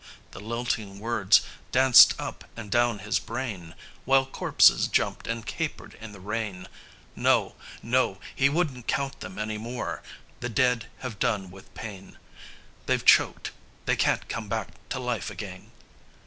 "_ The lilting words danced up and down his brain, While corpses jumped and capered in the rain. No, no; he wouldn't count them any more ... The dead have done with pain: They've choked; they can't come back to life again.